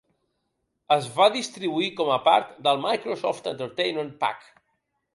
Es va distribuir com a part del Microsoft Entertainment Pack.